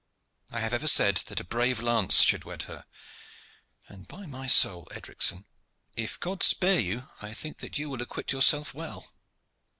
I have ever said that a brave lance should wed her; and, by my soul! Edricson, if God spare you, I think that you will acquit yourself well.